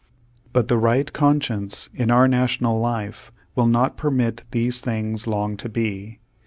But the right conscience in our National life will not permit these things long to be.